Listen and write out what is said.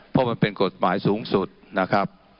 เพราะมันเป็นกฎหมายสูงสุดนะครับ